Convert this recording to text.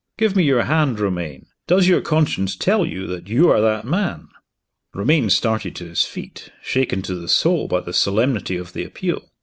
Give me your hand, Romayne! Does your conscience tell you that you are that man?" Romayne started to his feet, shaken to the soul by the solemnity of the appeal.